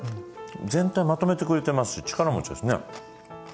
全体をまとめてくれてますし力持ちですね。